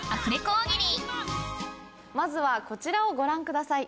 大喜利まずはこちらをご覧ください。